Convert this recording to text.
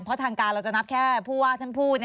เพราะทางการเราจะนับแค่ผู้ว่าท่านพูด